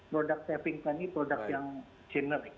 product saving ini produk yang generic